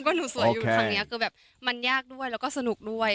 ครั้งนี้คือแบบมันยากด้วยแล้วก็สนุกด้วย